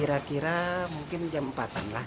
kira kira mungkin jam empatan lah